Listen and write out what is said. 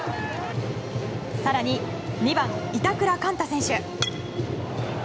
更に２番、板倉寛多選手。